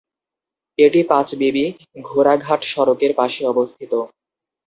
এটি পাঁচবিবি-ঘোড়াঘাট সড়কের পাশে অবস্থিত।